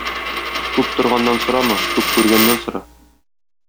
Күп торганнан сорама, күп күргәннән сора.